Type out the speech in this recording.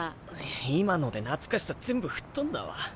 今ので懐かしさ全部吹っ飛んだわ。